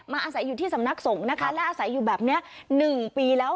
อาศัยอยู่ที่สำนักสงฆ์นะคะและอาศัยอยู่แบบนี้๑ปีแล้ว